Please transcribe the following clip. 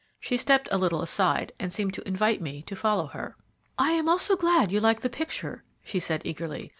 She stepped a little aside, and seemed to invite me to follow her. "I am also glad you like the picture," she said eagerly.